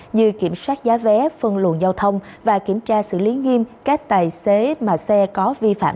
như kiểm soát giá vé phân luồng giao thông và kiểm tra xử lý nghiêm các tài xế mà xe có vi phạm